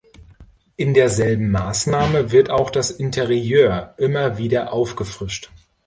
In derselben Maßnahme wird auch das Interieur immer wieder aufgefrischt.